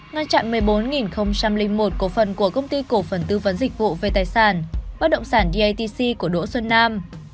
ngăn chặn một mươi bốn một cổ phần của công ty cổ phần tư vấn dịch vụ về tài sản bất động sản datc của đỗ xuân nam